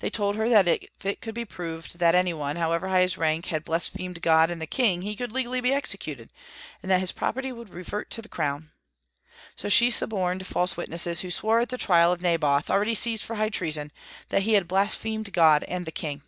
They told her that if it could be proved that any one, however high his rank, had blasphemed God and the king, he could legally be executed, and that his property would revert to the Crown. So she suborned false witnesses, who swore at the trial of Naboth, already seized for high treason, that he had blasphemed God and the king.